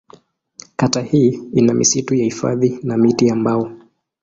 Kata hii ina misitu ya hifadhi na miti ya mbao.